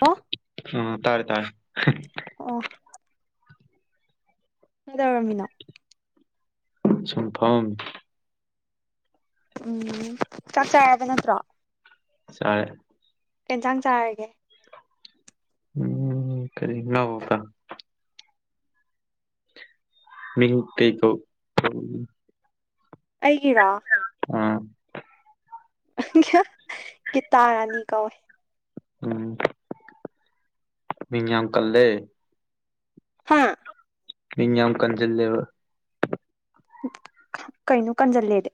ꯑꯣ ꯎꯝ ꯇꯥꯔꯦ ꯇꯥꯔꯦ꯫ ꯑꯣ ꯀꯩꯗꯧꯔꯝꯃꯤꯅꫭ ꯁꯨꯝ ꯐꯝꯃꯝꯃꯤ ꯎꯝ ꯆꯥꯛ ꯆꯥꯔꯕ ꯅꯠꯇ꯭ꯔꯣ ꯆꯥꯔꯦ ꯀꯩꯖꯥꯡ ꯆꯥꯔꯒꯦ ꯎꯝ ꯀꯔꯤ ꯉꯥ ꯀꫭꯛꯇꯥ ꯃꯤꯡ ꯀꯩꯀꯧ ꯑꯩꯒꯤꯔꫭ ꯑꯥ ꯒꯤꯇꯥꯔꯥꯅꯤ ꯀꯧꯋꯦ ꯎꯝ ꯃꯤꯡ ꯌꯥꯝ ꯀꯜꯂꯦ ꯍꯥꯥ ꯃꯤ ꯌꯥꯝ ꯀꯟꯖꯜꯂꯦꯕ ꯀꯩꯅꫭ ꯀꯟꯖꯜꯂꯦꯗꯤ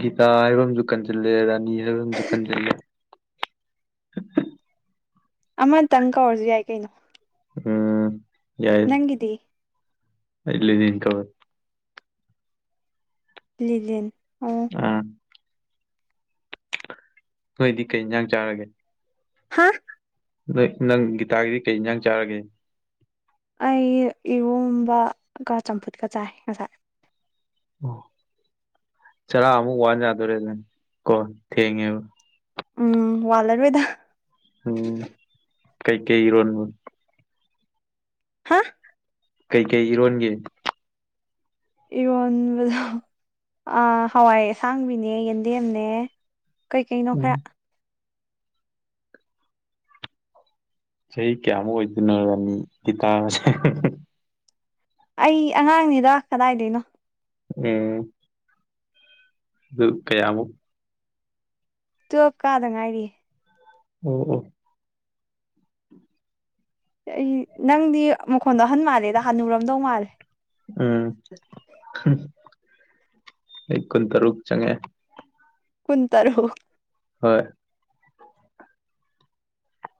ꯒꯤꯇꯥ ꯍꯥꯏꯕ ꯑꯃꯁꯨ ꯀꯟꯖꯜꯂꯦ ꯔꯥꯅꯤ ꯍꯥꯏꯕ ꯑꯃꯁꯨ ꯀꯟꯖꯜꯂꯦ ꯑꯃꯇꯪ ꯀꯧꯔꯁꯨ ꯌꯥꯏ ꯀꯩꯅꯣ ꯎꯝ ꯌꯥꯏ ꯅꯪꯒꯤꯗꯤ ꯑꯩ ꯂꯤꯅꯤꯟ ꯀꯧꯋꯦ ꯂꯤꯂꯤꯟ ꯑꫭ ꯑꯥ ꯅꯣꯏꯗꯤ ꯀꯩ ꯌꯦꯟꯁꯥꯡ ꯆꯥꯔꯒꯦ ꯍꯥ ꯅꯣꯏ ꯅꯪ ꯒꯤꯇꯥꯒꯤꯗꯤ ꯀꯩ ꯏꯟꯖꯥꯡ ꯆꯥꯔꯒꯦ ꯑꯩ ꯏꯔꯣꯝꯕꯒ ꯆꯝꯐꯨꯠꯀ ꯆꯥꯏ ꯉꯁꯥꯏ ꯑꯣ ꯆꯔꯥ ꯑꯃꯨꯛ ꯋꯥꯟ ꯌꯥꯗꯣꯔꯦꯅꯦ ꯀꯣ ꯊꯦꯡꯉꯦꯕ ꯎꯝ ꯋꯥꯜꯂꯔꯣꯏꯗ ꯎꯝ ꯀꯩ ꯀꯩ ꯏꯔꫭꯟꯕ ꯍꯥ ꯀꯩꯀꯩ ꯏꯔꯣꯟꯒꯦ ꯏꯔꯣꯟꯕꯗꯣ ꯑ ꯍꯋꯥꯏ ꯑꯁꯥꯡꯕꯤꯅꯦ ꯌꯦꯟꯗꯦꯝꯅꯦ ꯀꯩꯀꯩꯅꯣ ꯎꯝ ꯈꯔ ꯆꯍꯤ ꯀꯌꯥꯃꯨꯛ ꯑꯣꯏꯗꯣꯏꯅꯣ ꯔꯅꯤ ꯒꯤꯇꯥꯁꯦ ꯑꯩ ꯑꯉꯥꯡꯅꯤꯗ ꯀꯗꯥꯏꯗꯩꯅꯣ ꯎꯝ ꯑꯗꯨ ꯀꯌꯥꯃꯨꯛ ꯇꯨꯞ ꯀꯥꯗ ꯉꯥꯏꯔꯤ ꯎꯝ ꯎꯝ ꯑꯩ ꯅꯪꯗꯤ ꯃꯈꯣꯟꯗꯣ ꯑꯍꯟ ꯃꯥꯜꯂꯦꯗ ꯍꯅꯨꯔꯝꯗꯧ ꯃꯥꯜꯂꯦ ꯎꯝ ꯑꯩ ꯀꯨꯟ ꯇꯔꯨꯛ ꯆꯪꯉꯛꯑꯦ ꯀꯨꯟ ꯇꯔꯨꯛ ꯍꯣꯏ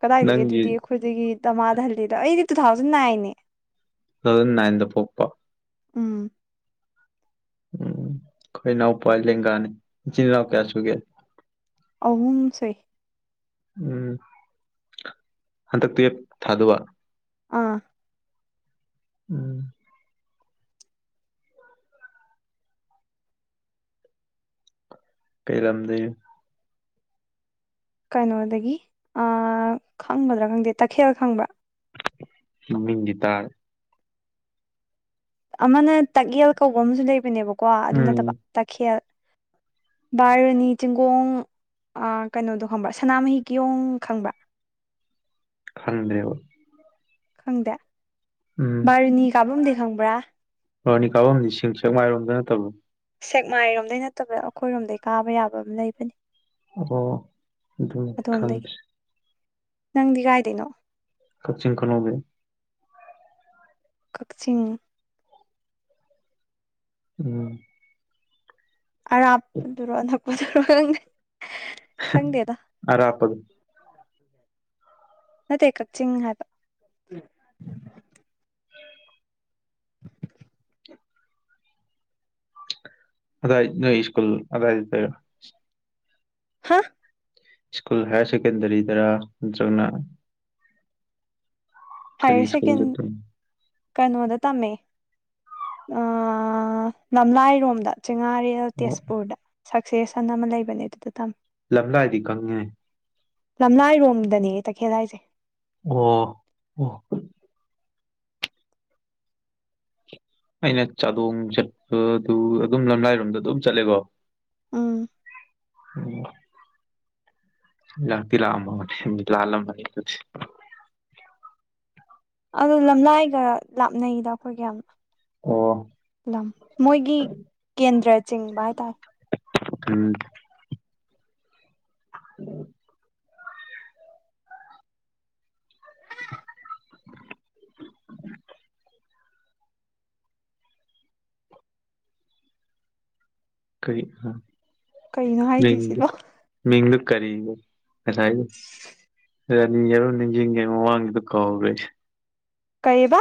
ꯀꯗꯥꯏꯗꯒꯤ ꯅꯪꯒꯤ ꯑꯗꯨꯗꯤ ꯇꯨ ꯑꯩꯈꯣꯏꯗꯒꯤ ꯗꯝꯃꯥꯗ ꯍꯜꯂꯤꯗꯣ ꯑꯩꯗꯤ ꯇꯨ ꯊꯥꯎꯖꯟ ꯅꯥꯏꯟꯅꯦ ꯇꯨꯊꯥꯎꯖꯟ ꯅꯥꯏꯟꯗ ꯄꫭꯛꯄ ꯎꯝ ꯎꯝ ꯑꯩꯈꯣꯏ ꯏꯅꯥꯎꯄ ꯂꯦꯡꯒꯥꯅꯤ ꯏꯆꯤꯟꯜ ꯏꯅꯥꯎ ꯀꯌꯥ ꯁꯨꯒꯦ ꯑꯍꯨꯝ ꯁꯨꯏ ꯎꯝ ꯍꯟꯗꯛ ꯇꯨꯋꯦꯞ ꯊꯥꯗꯣꯕ ꯑꯥ ꯎꯝ ꯀꯩ ꯂꯝꯗꯩ ꯀꯩꯅꯣꯗꯒꯤ ꯑꯥ ꯈꯪꯒꯗ꯭ꯔꯥ ꯈꯪꯗꯦ ꯇꯥꯈꯦꯜ ꯈꯪꯕ꯭ꯔꯥ ꯃꯃꯤꯡꯗꯤ ꯇꯥꯔꯦ ꯑꯃꯅ ꯇꯛꯌꯦꯜ ꯀꯧꯕ ꯑꯃꯁꯨ ꯂꯩꯕꯅꯦꯕꯀꯣ ꯑꯗꯨ ꯎꯝ ꯅꯠꯇꯕ ꯇꯛꯈꯦꯜ ꯕꯥꯔꯨꯅꯤ ꯆꯤꯡꯒꯣꯡ ꯑꯥ ꯀꯩꯅꯣꯗꯣ ꯈꯪꯕ꯭ꯔꯥ ꯁꯅꯥꯃꯍꯤ ꯀꯤꯌꯣꯡ ꯈꯪꯕ꯭ꯔꯥ ꯈꯪꯗ꯭ꯔꯦꯕ ꯈꯪꯗꯦ ꯎꯝ ꯕꯥꯔꯨꯅꯤ ꯀꯥꯚꯝꯗꯤ ꯈꯪꯕ꯭ꯔꯥ ꯕꯔꯨꯅꯤ ꯀꯥꯚꯝꯗꯤ ꯁꯤꯡ ꯁꯦꯛꯃꯥꯏꯔꯣꯝꯗ ꯅꯠꯇꯕꯣ ꯁꯦꯛꯃꯥꯏꯔꯣꯝꯗꯩ ꯅꯠꯇꯕꯗ ꯑꯩꯈꯣꯏꯔꯣꯝꯗꯩ ꯀꯥꯕ ꯌꯥꯕ ꯑꯃ ꯂꯩꯕꯅꯤ ꯑꯣ ꯑꯗꯨ ꯑꯗꯣꯝꯗꯒꯤ ꯈꯪꯗ꯭ꯔꯦ ꯅꯪꯗꯤ ꯀꯥꯏꯗꯩꯅꯣ ꯀꯛꯆꯤꯡ ꯈꯨꯅꯧꯗꯩ ꯀꯛꯆꯤꯡ ꯎꯝ ꯑꯔꯥꯞꯄꯗꯨꯔꯣ ꯑꯅꯛꯄꯗꯨꯔꯣ ꯈꯪꯗꯦꯗ ꯑꯔꯥꯞꯄꯗꯨ ꯅꯠꯇꯦ ꯀꯛꯆꯤꯡ ꯍꯥꯏꯕ [inaudible] ꯑꯗꯥꯏ ꯅꯣꯏ ꯏꯁꯀꯨꯜ ꯑꯗꯥꯏꯗꯨꯗꯩꯔꯣ ꯍꯥ ꯁ꯭ꯀꯨꯜ ꯍꯥꯏꯌꯔ ꯁꯦꯀꯦꯟꯗꯔꯤꯗꯔ ꯅꯠꯇ꯭ꯔꯒꯅ ꯀꯔꯤ ꯍꯥꯌꯔ ꯁ꯭ꯀꯨꯜ ꯁꯦꯀꯦꯟ ꯆꯠꯇꯣꯏꯅꯣ ꯀꯩꯅꯣꯗ ꯇꯝꯃꯦ ꯑꯥ ꯂꯝꯂꯥꯏꯔꯣꯝꯗ ꯆꯤꯉꯥꯔꯦꯜ ꯑꯣ ꯇꯦꯖꯄꯨꯔꯗ ꯁꯛꯁꯦꯁꯟ ꯑꯃ ꯂꯩꯕꯅꯦ ꯑꯗꯨꯗ ꯇꯝ ꯂꯝꯂꯥꯏꯗꯤ ꯈꯪꯉꯦ ꯂꯝꯂꯥꯏꯔꯣꯝꯗꯅꯦ ꯇꯈꯦꯜ ꯍꯥꯏꯁꯦ ꯑꯣ ꯑꯣ ꯑꯩꯅ ꯆꯥꯗꯣꯡ ꯆꯠꯄꯗꯨ ꯑꯗꯨꯝ ꯂꯝꯂꯥꯏꯔꯣꯝꯗ ꯑꯗꯨꯝ ꯆꯠꯂꯦꯀꯣ ꯎꯝ ꯎꯝ ꯂꯥꯛꯇꯤ ꯂꯥꯛ ꯑꯝꯅꯤ ꯂꯥꯜꯂꯝꯅꯤ [unintelligible] ꯑꯗꯨ ꯂꯝꯂꯥꯏꯒ ꯂꯥꯞꯅꯩꯗ ꯑꯩꯈꯣꯏꯒ ꯌꯥꯝꯅ ꯑꯣ ꯂꯝ ꯃꯣꯏꯒꯤ ꯀꯦꯟꯗ꯭ꯔ ꯆꯤꯡꯕ ꯍꯥꯏ ꯇꯥꯔꯦ ꯎꯝ [unintelligible] [unintelligible] ꯀꯔꯤ ꯃꯤ ꯀꯩꯅꯣ ꯃꯤꯡꯗꯨ ꯍꯥꯏꯗꯣꯏꯁꯤꯕꯣ ꯃꯤꯡꯗꯨ ꯀꯔꯤꯕ ꯉꯁꯥꯏ ꯔꯥꯅꯤ ꯍꯥꯏꯕ ꯅꯤꯡꯁꯤꯡꯏ ꯉꯩ ꯃꯃꯥꯡꯒꯤꯗꯨ ꯀꯥꯎꯒ꯭ꯔꯦ ꯑꯩꯁꯦ ꯀꯩꯕ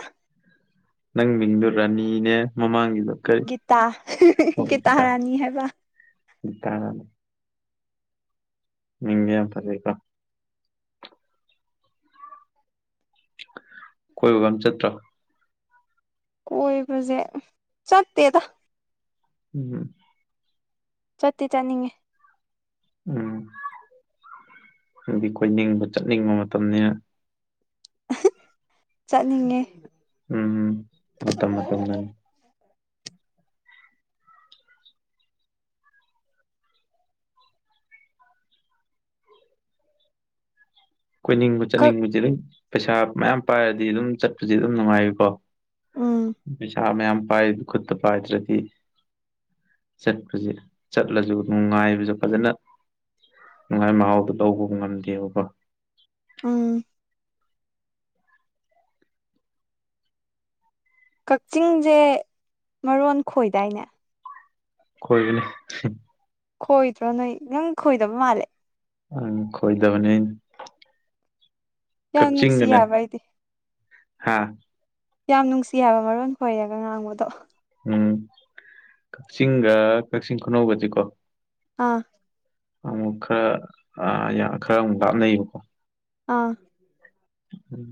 ꯅꯪ ꯃꯤꯡꯗꯣ ꯔꯥꯅꯤꯅꯦ ꯃꯃꯥꯡꯒꯤꯗꯣ ꯀꯔꯤ ꯒꯤꯇꯥ ꯒꯤꯇꯥꯔꯥꯅꯤ ꯍꯥꯏꯕ ꯒꯤꯇꯔꯥꯅꯤ ꯃꯤꯡꯗꯣ ꯌꯥꯝ ꯐꯖꯩꯀꯣ ꯀꯣꯏꯕꯒ ꯑꯃ ꯆꯠꯇ꯭ꯔꯣ ꯀꯣꯏꯕꯁꯦ ꯆꯠꯇꯦꯗ ꯎꯝ ꯆꯠꯇꯤ ꯆꯥꯠꯅꯤꯡꯉꯦ ꯎꯝ ꯅꯣꯏꯗꯤ ꯀꯣꯏꯅꯤꯡꯕ ꯆꯠꯅꯤꯡꯕ ꯃꯇꯝꯅꯤꯅ ꯆꯠꯅꯤꯡꯉꯦ ꯎꯝ ꯃꯥꯇꯝ ꯃꯥꯇꯝ ꯅꯅꯤ ꯀꯣꯏꯅꯤꯡꯕ ꯈ ꯆꯠꯅꯤꯡꯕꯁꯦ ꯑꯗꯨꯝ ꯄꯩꯁꯥ ꯃꯌꯥꯝ ꯄꯥꯏꯔꯗꯤ ꯑꯗꯨꯝ ꯆꯠꯄꯁꯦ ꯑꯗꯨꯝ ꯅꯨꯡꯉꯥꯏꯕꯀꯣ ꯎꯝ ꯄꯩꯁꯥ ꯃꯥꯌꯥꯝ ꯄꯥꯏ ꯈꯨꯠꯇ ꯄꯥꯏꯗꯔ꯭ꯗꯤ ꯆꯠꯄꯁꯦ ꯆꯠꯂꯁꯨ ꯅꯨꯡꯉꯥꯏꯕꯁꯨ ꯐꯖꯅ ꯅꯨꯡꯉꯥꯏ ꯃꯍꯥꯎꯗꯨ ꯂꯧꯕ ꯉꯝꯗꯦꯕꯀꯣ ꯎꯝ ꯀꯛꯆꯤꯡꯁꯦ ꯃꯔꯣꯟ ꯈꯣꯏꯗꯥꯏꯅꯦ ꯀꯣꯏꯕꯅꯤ ꯈꯣꯏꯗ꯭ꯔꯣ ꯅꯣꯏ ꯅꯪ ꯈꯣꯏꯗꯕ ꯃꯥꯜꯂꯦ ꯑꯪ ꯈꯣꯏꯗꯕꯅꯦ ꯌꯥꯝ ꯅꯨꯡꯁꯤ ꯀꯛꯆꯤꯡꯒꯅꯦ ꯍꯥꯏꯕ ꯑꯩꯗꯤ ꯍꯥꯥ ꯌꯥꯝ ꯅꯨꯡꯁꯤ ꯍꯥꯏꯕ ꯃꯔꯣꯟ ꯈꯣꯏꯔꯒ ꯉꯥꯡꯕꯗꯣ ꯎꯝ ꯀꯛꯆꯤꯡꯒ ꯀꯛꯆꯤꯡ ꯈꯨꯅꯧꯒꯁꯤꯀꯣ ꯑꯥ ꯑꯃꯨꯛ ꯈꯔꯥ ꯑꯥ ꯈꯔꯥ ꯑꯃꯨꯛ ꯂꯥꯞꯅꯩꯌꯦꯕꯀꯣ ꯑꯥ ꯎꯝ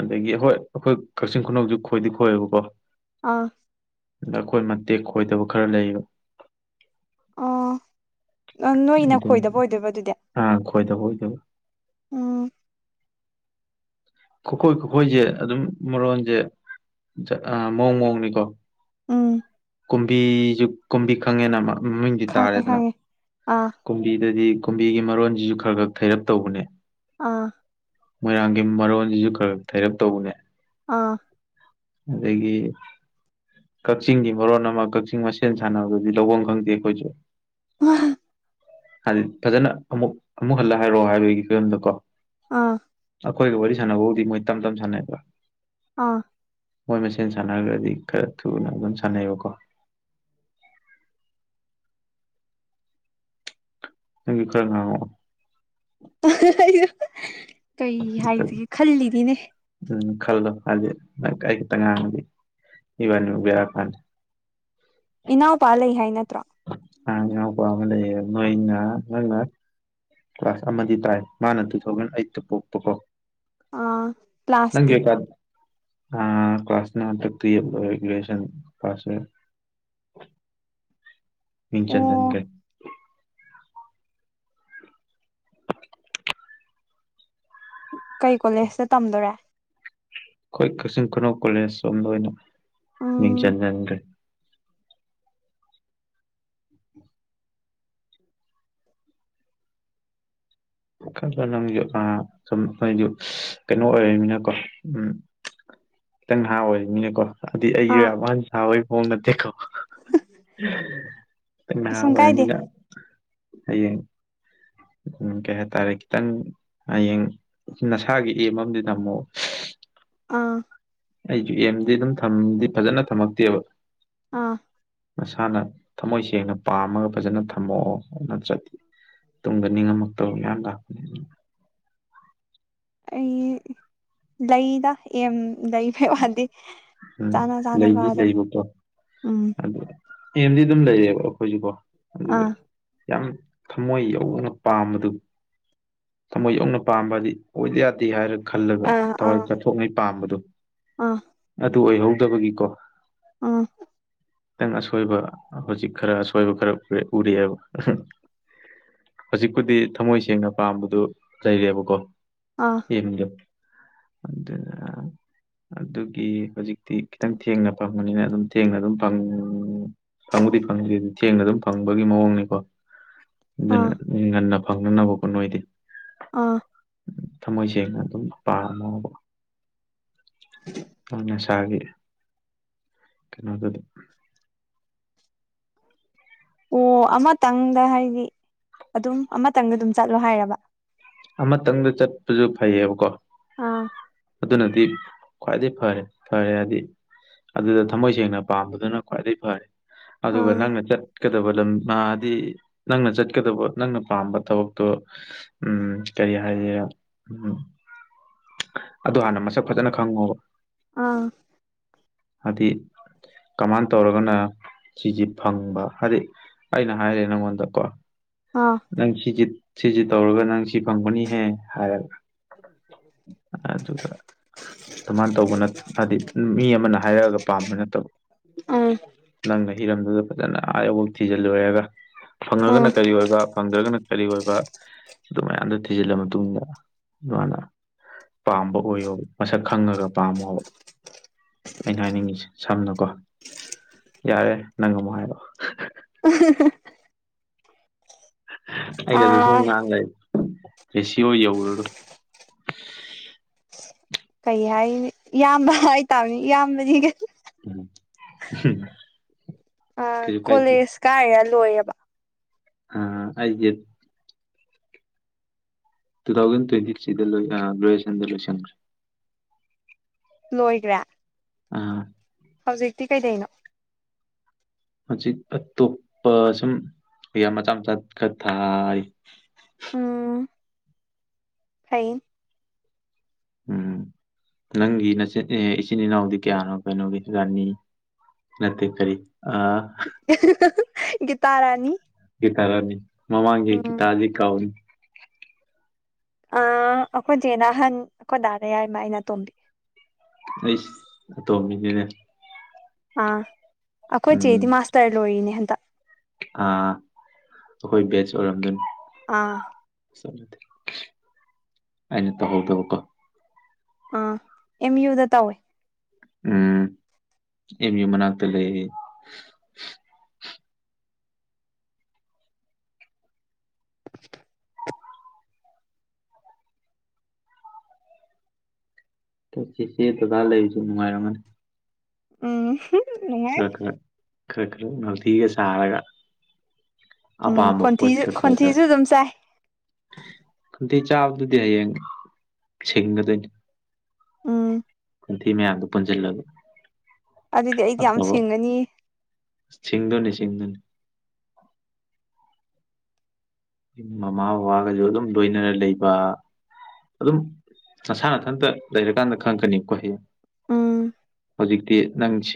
ꯑꯗꯒꯤ ꯍꯣꯏ ꯑꯩꯈꯣꯏ ꯀꯛꯆꯤꯡ ꯈꯨꯅꯧꯁꯨ ꯈꯣꯏꯗꯤ ꯈꯣꯏꯑꯦꯕꯀꯣ ꯑꯥ ꯑꯗ ꯑꯩꯈꯣꯏ ꯃꯇꯦꯛ ꯈꯣꯏꯗꯕ ꯈꯔ ꯂꯩꯌꯦꯕ ꯑꯣ ꯅꯣꯏꯅ ꯑꯗꯨꯝ ꯈꯣꯏꯗꯕ ꯑꯣꯏꯗꯣꯏꯕ ꯑꯗꯨꯗꯤ ꯑꯥ ꯈꯣꯏꯗꯕ ꯑꯣꯏꯗꯣꯏꯕ ꯎꯝ ꯈꯨꯀꯣꯏ ꯈꯨꯀꯣꯏꯁꯦ ꯑꯗꯨꯝ ꯃꯔꯣꯟꯁꯦ ꯖ ꯑꯥ ꯃꯑꯣꯡ ꯃꯑꯣꯡꯅꯤꯀꯣ ꯎꯝ ꯀꯨꯝꯕꯤꯁꯨ ꯀꯨꯝꯕꯤ ꯈꯪꯉꯦꯅ ꯃꯃꯤꯡꯗꯤ ꯈꯪꯉꯦ ꯇꯥꯔꯦꯗꯅ ꯈꯪꯉꯦ ꯑꯥ ꯀꯨꯝꯕꯤꯗꯗꯤ ꯀꯨꯝꯕꯤꯒꯤ ꯃꯔꯣꯟꯁꯤꯁꯨ ꯈꯔ ꯈꯔ ꯊꯩꯔꯞ ꯇꯧꯕꯅꯦ ꯑꯥ ꯃꯣꯏꯔꯥꯡꯒꯤ ꯃꯔꯣꯟꯁꯤꯁꯨ ꯈꯔ ꯊꯩꯔꯞ ꯇꯧꯕꯅꯦ ꯑꯥ ꯑꯗꯒꯤ ꯀꯛꯆꯤꯡꯒꯤ ꯃꯔꯣꯟ ꯑꯃ ꯀꯛꯆꯤꯡ ꯃꯁꯦꯟ ꯁꯥꯟꯅꯕꯗꯗꯤ ꯂꯧꯕꯝ ꯈꯪꯗꯦ ꯑꯩꯈꯣꯏꯁꯨ ꯋꯥ [unintelligible] ꯍꯥꯏꯗꯤ ꯐꯖꯅ ꯑꯃꯨꯛ ꯑꯃꯨꯛ ꯍꯜꯂ ꯍꯥꯏꯔꯛꯑꯣ ꯍꯥꯏꯕꯒꯤ ꯐꯤꯕꯝꯗ ꯀꯣ ꯑꯥ ꯑꯩꯈꯣꯏꯒ ꯋꯥꯔꯤ ꯁꯥꯟꯅꯕꯕꯨꯗꯤ ꯃꯣꯏ ꯇꯝ ꯇꯝ ꯁꯥꯟꯅꯩꯕꯥ ꯑꯥ ꯑꯈꯣꯏ ꯃꯁꯦꯟ ꯁꯥꯟꯅꯔꯒꯗꯤ ꯈꯔ ꯊꯨꯅ ꯑꯗꯨꯝ ꯁꯥꯟꯅꯩꯌꯦꯕꯀꯣ [unintelligible] ꯑꯩꯁꯨ ꯀꯩ ꯑꯝꯇ ꯍꯥꯏꯁꯤꯒꯦ ꯈꯜꯂꯤꯅꯤꯅꯦ ꯎꯝ ꯈꯜꯂꯣ ꯍꯥꯏꯗꯤ ꯑꯩ ꯈꯤꯇꯪ ꯉꯥꯡꯕꯗꯤ ꯏꯕꯥꯅꯤꯃꯛ ꯚꯦꯔꯥ ꯀꯥꯅꯤ ꯏꯅꯥꯎꯄꯥꯥ ꯂꯩꯩ ꯍꯥꯏ ꯅꯠꯇ꯭ꯔꯣ ꯑꯥ ꯏꯅꯥꯎꯄꯥ ꯑꯃ ꯂꯩꯌꯦ ꯅꯪꯅ ꯅꯪꯅ ꯀ꯭ꯂꯥꯁ ꯑꯃꯗꯤ ꯇꯥꯏ ꯃꯥꯅ ꯇꯨ ꯊꯥꯎꯖꯟ ꯑꯩꯠꯇ ꯄꯣꯛꯄꯀꯣ ꯑꯥ ꯅꯪ ꯗꯤ ꯀ꯭ꯂꯥꯁꯇꯤ ꯀ꯭ꯂꯥꯁ ꯅ ꯍꯟꯗꯛ ꯇꯦꯟ ꯂꯣꯏꯔꯦ ꯒ꯭ꯔꯦꯖꯨꯌꯦꯁꯟ ꯐꯔꯁꯇ ꯌꯤꯔ ꯃꯤꯡ ꯑꯣ ꯆꯟꯁꯟꯈ꯭ꯔꯦ ꯀꯩ ꯀꯣꯂꯦꯖꯇ ꯇꯝꯗꯣꯔꯦ ꯑꯩꯈꯣꯏ ꯀꯛꯆꯤꯡ ꯈꯨꯅꯧ ꯀꯣꯂꯦꯖ ꯁꯣꯝꯗ ꯑꯣꯏꯅ ꯃꯤꯡ ꯎꯝ ꯆꯟꯖꯟꯈ꯭ꯔꯦ ꯑ ꯍꯥꯏꯗꯤ ꯀꯩꯅꯣ ꯑꯣꯏꯔꯅꯤꯅꯀꯣ ꯎꯝ ꯈꯤꯇꯪ ꯅꯍꯥ ꯑꯣꯏꯔꯤꯅꯤꯅꯀꯣ ꯑꯗꯨꯗꯤ ꯑꯩꯒꯤ ꯑꯥ ꯌꯥꯝ ꯋꯥꯟ ꯁꯥꯕꯣꯏ ꯐꯣꯡ ꯅꯠꯇꯦꯀꯣ ꯈꯤꯇꯪ ꯅꯍꯥ ꯀꯩꯁꯨꯝ ꯀꯥꯏꯗꯦ ꯑꯣꯏꯔꯤꯅꯤꯅ ꯍꯌꯦꯡ ꯎꯝ ꯀꯩ ꯍꯥꯢ ꯇꯥꯔꯦ ꯈꯤꯇꯪ ꯍꯌꯦꯡ ꯅꯁꯥꯒꯤ ꯑꯦꯝ ꯑꯃꯗꯤ ꯊꯝꯃꯣ꯫ ꯑꯥ ꯑꯩꯖꯨ ꯑꯦꯝꯗꯤ ꯑꯗꯨꯝ ꯊꯝꯗꯤ ꯐꯖꯅ ꯊꯝꯃꯛꯇꯦꯕ ꯑꯥ꯫ ꯃꯁꯥꯅ ꯊꯝꯃꯣꯏ ꯁꯦꯡꯅ ꯄꯥꯝꯃꯒ ꯐꯖꯅ ꯊꯝꯃꯛꯑꯣ ꯅꯠꯇ꯭ꯔꯗꯤ ꯇꯨꯡꯗ ꯅꯤꯡꯉꯝꯃꯛꯇꯕ ꯃꯌꯥꯝ ꯂꯥꯛ ꯑꯩ ꯂꯩꯗ ꯑꯦꯝ ꯂꯩ ꯍꯥꯏꯗꯤ ꯎꯝ ꯆꯥꯟꯅ ꯂꯩꯗꯤ ꯆꯥꯅꯕꯗꯨꯅꯤ ꯂꯩꯕꯀꯣ ꯎꯝ ꯑꯗꯨ ꯑꯦꯝꯗꯤ ꯑꯗꯨꯝ ꯂꯩꯔꯑꯦꯕ ꯑꯩꯈꯣꯏꯖꯨꯀꯣ ꯑꯗꯨꯒ ꯑꯥ ꯌꯥꯝ ꯊꯃꯣꯏ ꯌꯧꯅ ꯄꯥꯝꯕꯗꯨ꯫ ꯊꯃꯣꯏ ꯌꯧꯅ ꯄꯥꯝꯕꯗꯤ ꯑꯣꯏꯗ ꯌꯥꯗꯦ ꯍꯥꯏꯔ ꯈꯜꯂꯒ ꯑꯥ ꯊꯋꯥꯏ ꯑꯥ ꯆꯠꯊꯣꯛꯉꯩ ꯄꯥꯝꯕꯗꯨ꯫ ꯑꯥ꯫ ꯑꯗꯨ ꯑꯣꯏꯍꯧꯗꯕꯒꯤꯀꯣ꯫ ꯑ꯫ ꯈꯤꯇꯪ ꯑꯁꯣꯏꯕ ꯍꯧꯖꯤꯛ ꯈꯔ ꯑꯁꯣꯏꯕ ꯈꯔ ꯎꯔꯛꯑꯦꯕ ꯍꯧꯖꯤꯛꯄꯨꯗꯤ ꯊꯝꯃꯣꯏ ꯁꯦꯡꯅ ꯄꯥꯝꯕꯗꯨ ꯂꯩꯔꯦꯕꯀꯣ꯫ ꯑꯥ꯫ ꯑꯦꯝꯗꯨ ꯑꯗꯨꯅ ꯑꯗꯨꯒꯤ ꯍꯧꯖꯤꯛꯇꯤ ꯈꯤꯇꯪ ꯊꯦꯡꯅ ꯐꯪꯕꯅꯤꯅ ꯑꯗꯨꯝ ꯊꯦꯡꯅ ꯑꯗꯨꯝ ꯐꯪ ꯐꯪꯕꯨꯗꯤ ꯐꯪꯅꯤꯗꯨ ꯊꯦꯡꯅ ꯑꯗꯨꯝ ꯐꯪꯕꯒꯤ ꯃꯑꯣꯡꯅꯤꯀꯣ꯫ ꯑꯗꯨꯅ ꯑꯥ ꯅꯣꯏ ꯉꯟꯅ ꯐꯪꯅꯅꯕꯀꯣ ꯅꯣꯏꯗꯤ꯫ ꯑꯥ꯫ ꯊꯝꯃꯣꯏ ꯁꯦꯡꯅ ꯑꯗꯨꯝ ꯄꯥꯝꯃꯣꯕ꯫ ꯅꯁꯥꯒꯤ ꯀꯩꯅꯣꯗꯨꯗꯤ꯫ ꯑꯣ ꯑꯃꯇꯪꯗ ꯍꯥꯏꯗꯤ ꯑꯗꯨꯝ ꯑꯃꯇꯪꯗ ꯑꯗꯨꯝ ꯆꯠꯂꯣ ꯍꯥꯏꯔꯕ꯫ ꯑꯃꯇꯪꯗ ꯆꯠꯄꯖꯨ ꯐꯩꯌꯦꯕꯀꯣ ꯑꯥ ꯑꯗꯨꯅꯗꯤ꯫ ꯈ꯭ꯋꯥꯏꯗꯩ ꯐꯔꯦ ꯐꯔꯦ ꯍꯥꯏꯗꯤ ꯑꯗꯨꯗ ꯊꯃꯣꯏ ꯁꯦꯡꯅ ꯄꯥꯝꯕꯗꯨꯅ ꯈ꯭ꯋꯥꯏꯗꯩ ꯐꯔꯦ꯫ ꯑꯗꯨꯒ ꯑꯥ ꯅꯪꯅ ꯆꯠꯀꯗꯕ ꯂꯝ ꯃꯥꯗꯤ ꯅꯪꯅ ꯆꯠꯀꯗꯕ ꯅꯪꯅ ꯄꯥꯝꯕ ꯊꯕꯛꯇꯣ ꯎꯝ ꯀꯔꯤ ꯍꯥꯏꯒꯦꯔ ꯎꯝ꯫ ꯑꯗꯣ ꯍꯥꯟꯅ ꯃꯁꯛ ꯐꯖꯅ ꯈꯪꯉꯣ ꯑꯥ꯫ ꯍꯥꯗꯤ ꯀꯃꯥꯟ ꯇꯧꯔꯒꯅ ꯁꯤꯖꯤ ꯐꯪꯕ ꯍꯥꯏꯗꯤ ꯑꯩꯅ ꯍꯥꯏꯔꯦ ꯅꯪꯉꯣꯟꯗ ꯀꯣ ꯑꯥ꯫ ꯅꯪ ꯁꯤ ꯖꯤ ꯁꯤꯖꯤ ꯇꯧꯔꯒ ꯅꯪ ꯁꯤ ꯐꯪꯒꯅꯤꯍꯦ ꯍꯥꯏꯔ [inaudible] ꯑꯗꯨꯒ ꯑꯗꯨꯃꯥꯟ ꯇꯧꯕꯅ ꯅꯠ ꯍꯥꯏꯗꯤ ꯃꯤ ꯑꯃꯅ ꯍꯥꯏꯔꯛꯑꯒ ꯄꯥꯝꯕ ꯅꯠꯇꯕ꯫ ꯑꯥ꯫ ꯅꯪꯅ ꯍꯤꯔꯝꯗꯨꯗ ꯐꯖꯅ ꯑꯥ ꯌꯧꯕꯧ ꯊꯤꯖꯜꯂꯨꯔꯦꯒ ꯐꯪꯉꯒꯅ ꯎꯝ ꯀꯔꯤ ꯑꯣꯏꯕ ꯐꯪꯗ꯭ꯔꯒꯅ ꯀꯔꯤ ꯑꯣꯏꯕ ꯑꯗꯨ ꯃꯌꯥꯝꯗꯣ ꯊꯤꯖꯤꯜꯂ ꯃꯇꯨꯡꯗ [unintelligible] ꯄꯥꯝꯕ ꯑꯣꯏꯌꯣꯕ ꯃꯁꯛ ꯈꯪꯉꯒ ꯄꯥꯝꯃꯣꯕ꯫ ꯑꯩꯅ ꯍꯥꯏꯅꯤꯡꯉꯤꯁꯦ ꯁꯝꯅꯀꯣ ꯌꯥꯔꯦ ꯅꯪ ꯑꯃꯨꯛ ꯍꯥꯏꯔꯛꯑꯣ꯫ [unintelligible] ꯑꯩꯅꯗ ꯁꯨꯝ ꯑꯥ ꯉꯥꯡ ꯂꯩ ꯔꯦꯁꯤꯌꯣ ꯌꯧꯔꯔꯣꯏ꯫ ꯀꯩ ꯍꯥꯏꯅꯤ ꯏꯌꯥꯝꯕ ꯍꯥꯏꯇꯥꯕꯅꯤ ꯏꯌꯥꯝꯕ [unintelligible] [unintelligible] ꯑ ꯀꯩꯁꯨ ꯀꯥꯏꯗꯦ ꯀꯣꯂꯦꯖ ꯀꯥꯏꯔꯤꯔꯥ ꯂꯣꯏꯔꯕꯣ? ꯍꯥ ꯑꯩꯒꯤ ꯇꯨ ꯊꯥꯎꯖꯟ ꯇꫭꯏꯇꯤꯊ꯭ꯔꯤꯗ ꯂꫭꯏ ꯑ ꯒ꯭ꯔꯦꯖ꯭ꯋꯦꯁꯟꯗ ꯂꯣꯏꯁꯟꯈ꯭ꯔꯦ ꯂꯣꯏꯒ꯭ꯔꯦ ꯑꯥ ꯍꯧꯖꯤꯛꯇꯤ ꯀꯩꯗꯩꯅꯣ ꯍꯨꯖꯤꯛ ꯑꯇꯣꯞꯄ ꯁꯨꯝ ꯑꯦꯌꯥꯝ ꯃꯆꯥ ꯃꯆꯥ ꯈꯔ ꯊꯥꯔꯤ ꯎꯝ ꯐꯩ ꯎꯝ ꯅꯪꯒꯤ ꯅꯆꯦꯠ ꯑꯦ ꯇꯏꯆꯤꯟ ꯏꯅꯥꯎꯗꯤ ꯀꯌꯥꯅꯣ ꯀꯩꯅꯣꯒꯤ ꯔꯥꯅꯤ ꯅꯠꯇꯦ ꯀꯔꯤ ꯑꯥ ꯒꯤꯇꯥꯔꯥꯅꯤ ꯒꯤꯇꯥꯔꯥꯅꯤ ꯃꯃꯥꯡꯒꯤ ꯎꯝ ꯒꯤꯇꯥꯗꯤ ꯀꯥꯎꯅꯤ ꯑ ꯑꯩꯈꯣꯏ ꯖꯦꯅ ꯑꯍꯟ ꯑꯩꯈꯣꯏ ꯗꯥꯗ ꯌꯥꯏꯃ ꯑꯩꯅ ꯑꯇꯣꯝꯕꯤ ꯑꯩꯁ ꯑꯇꯣꯝꯕꯤꯅꯤꯅꯦ ꯑꯥ ꯑꯩꯈꯣꯏ ꯆꯦꯗꯤ ꯃꯥꯁꯇꯔ ꯂꯣꯏꯔꯤꯅꯦ ꯍꯟꯗꯛ ꯑ ꯑꯈꯣꯏ ꯕꯦꯖ ꯑꯣꯏꯔꯝꯒꯅꯤ ꯑꯥ ꯑꯩꯅ ꯇꯧꯍꯧꯗꯕꯥꯀꯣ ꯑꯥ ꯑꯦꯝ ꯌꯨꯗ ꯇꯧꯋꯦ ꯎꯝ ꯑꯦꯝ ꯌꯨ ꯃꯅꯥꯛꯇ ꯂꯩ ꯑꯩ ꯆꯦꯆꯦ ꯗꯥꯗꯥ ꯂꯩꯕꯁꯨ ꯅꯨꯡꯉꯥꯏꯔꯝꯃꯅꯤ ꯎꯝ ꯅꯨꯡꯉꯥꯏ ꯈꯔ-ꯈꯔ ꯈꯔ-ꯈꯔ ꯅꯥꯎꯇꯤꯒ ꯁꯥꯔꯒ ꯎꯝ ꯑꯄꯥꯝꯕ ꯄꯣꯠ ꯈꯣꯟꯊꯤꯁꯨ ꯈꯣꯟꯊꯤꯁꯨ ꯑꯗꯨꯝ ꯆꯥꯏ [unintelligible] ꯈꯪꯇꯦ ꯆꯥꯕꯗꯨꯗꯤ ꯍꯌꯦꯡ ꯁꯤꯡꯒꯗꯣꯏꯅꯤ ꯎꯝ ꯅꯨꯡꯊꯤ ꯃꯌꯥꯝꯗꯣ ꯄꯨꯟꯁꯤꯜꯂꯒ ꯑꯗꯨꯗꯤ ꯑꯩꯗꯤ ꯌꯥꯝ ꯑꯐꯕ ꯁꯤꯡꯉꯅꯤ ꯁꯤꯡꯗꯣꯏꯅꯤ ꯁꯤꯡꯗꯣꯏꯅꯤ ꯃꯃꯥ ꯕꯕꯥꯒꯁꯨ ꯑꯗꯨꯝ ꯂꯣꯏꯅꯔ ꯂꯩꯕ ꯑꯗꯨꯝ ꯅꯁꯥ ꯅꯊꯟꯇ ꯂꯩꯔꯀꯥꯟꯗ ꯈꯪꯉꯛꯀꯅꯤꯀꯣ ꯍꯌꯦꯡ ꯎꯝ ꯍꯧꯖꯤꯛꯇꯤ ꯅꯪ ꯁꯤ